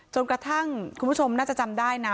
จนกระทั่งคุณผู้ชมน่าจะจำได้นะ